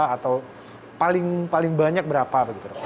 atau paling banyak berapa